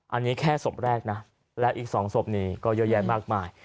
อันนี้แค่ศพแรกนะแล้วอีก๒ศพนี้ก็เยอะแยะมากมาย